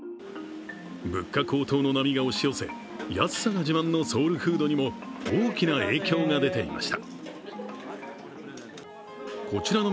物価高騰の波が押し寄せ、安さが自慢のソウルフードにも大きな影響が出ていました。